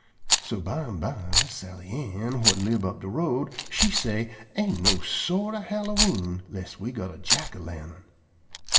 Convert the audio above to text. So bimeby Sally Ann, whut live up de road, she say, "Ain't no sort o' Hallowe'en lest we got a jack o' lantern."